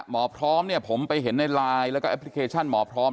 หมอพร้อมเนี่ยผมไปเห็นในไลน์แล้วก็แอปพลิเคชันหมอพร้อม